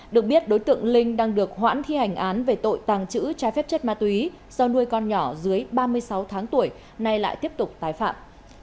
được biết đối tượng linh đang được hoãn thi hành án về tội tàng trữ trái phép chất ma túy do nuôi con nhỏ dưới ba mươi sáu tháng tuổi nay lại tiếp tục tái phạm